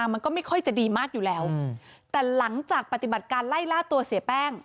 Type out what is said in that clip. มันก็ไม่ค่อยจะดีมากอยู่แล้วแต่หลังจากปฏิบัติการไล่ล่าตัวเสียแป้ง